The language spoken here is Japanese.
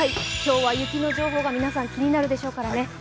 今日は雪の情報が皆さん気になるでしょうからね。